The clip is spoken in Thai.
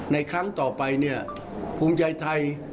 ในครั้งต่อไปภูมิใจไทย